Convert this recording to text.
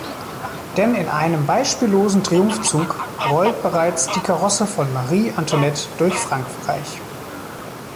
Denn in einem beispiellosen Triumphzug rollt bereits die Karosse von Marie Antoinette durch Frankreich.